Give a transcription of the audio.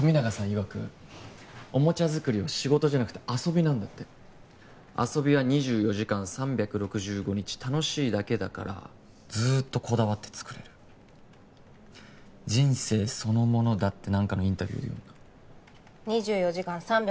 いわくおもちゃ作りは仕事じゃなくて遊びなんだって遊びは２４時間３６５日楽しいだけだからずっとこだわって作れる人生そのものだって何かのインタビューで読んだ２４時間３６５日